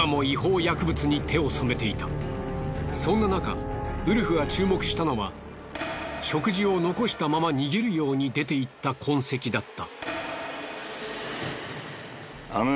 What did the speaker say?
そんななかウルフが注目したのは食事を残したまま逃げるように出ていった痕跡だった。